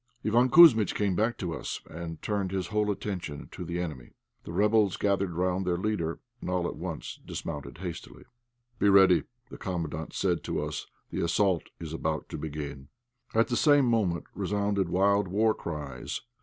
Iván Kouzmitch came back to us, and turned his whole attention to the enemy. The rebels gathered round their leader, and all at once dismounted hastily. "Be ready," the Commandant said to us, "the assault is about to begin." At the same moment resounded wild war cries.